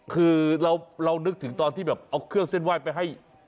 คือเรานึกถึงตอนที่แบบเอาเครื่องเส้นไหว้ไปให้